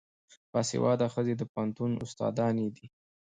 باسواده ښځې د پوهنتون استادانې دي.